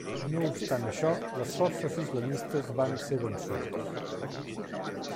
No obstant això, les forces islamistes van ésser vençudes.